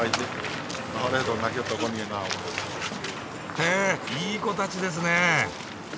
へえいい子たちですね。